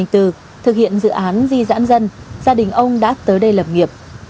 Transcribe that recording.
thực hiện dự án di dãn dân gia đình ông đã tới đây lập nghiệp